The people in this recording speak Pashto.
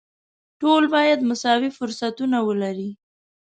ټول باید مساوي فرصتونه ولري.